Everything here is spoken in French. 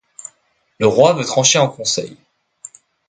Le roi veut trancher en Conseil.